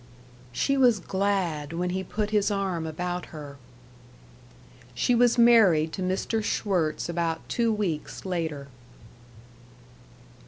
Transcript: She was glad when he put his arm about her. She was married to Mr. Schwirtz about two weeks later.